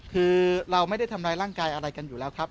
คือเราไม่ได้ทำร้ายร่างกายอะไรกันอยู่แล้วครับ